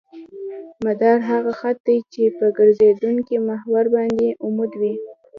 مدار هغه خط دی چې په ګرځېدونکي محور باندې عمود وي